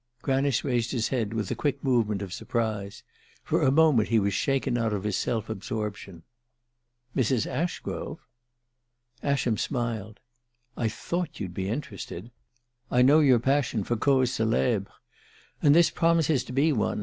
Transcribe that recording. Granice raised his head with a quick movement of surprise. For a moment he was shaken out of his self absorption. "Mrs. Ashgrove?" Ascham smiled. "I thought you'd be interested; I know your passion for causes celebres. And this promises to be one.